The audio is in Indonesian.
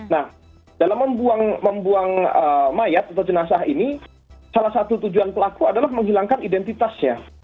nah dalam membuang mayat atau jenazah ini salah satu tujuan pelaku adalah menghilangkan identitasnya